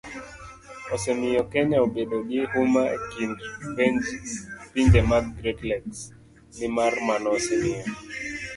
osemiyo Kenya obedo gi huma e kind pinje mag Great Lakes, nimar mano osemiyo